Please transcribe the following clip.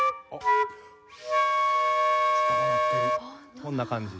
こんな感じで。